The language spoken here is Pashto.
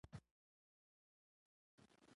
زموږ دوستان به تل یو وي.